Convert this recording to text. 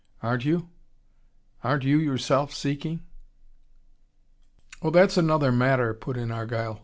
Aren't you? Aren't you yourself seeking?" "Oh, that's another matter," put in Argyle.